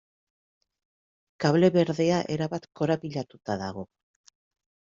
Kable berdea erabat korapilatuta dago.